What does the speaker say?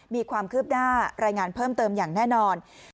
มีความคืบหน้ารายงานเพิ่มเติมอย่างแน่นอน